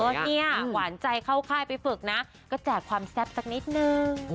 เนี่ยหวานใจเข้าค่ายไปฝึกนะก็แจกความแซ่บสักนิดนึง